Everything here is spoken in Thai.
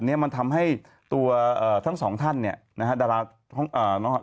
เนี้ยมันทำให้ตัวเอ่อทั้งสองท่านเนี่ยนะฮะดาราเอ่อน้อง